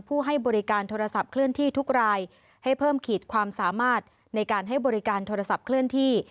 ให้บริการโทรศัพท์เคลื่อนที่ทุกรายให้เพิ่มขีดความสามารถในการให้บริการโทรศัพท์เคลื่อนที่